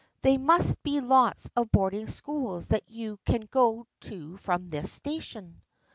There must be lots of boarding schools that you can go to from this station."